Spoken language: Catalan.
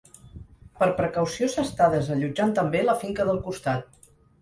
Per precaució s’està desallotjant també la finca del costat.